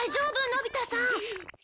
のび太さん。